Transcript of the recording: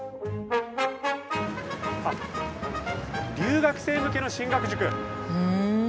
あっ「留学生向けの進学塾」。